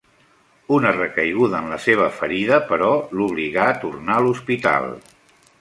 Una recaiguda en la seva ferida, però, l'obligà a tornar a l'hospital.